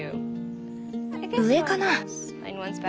上かな。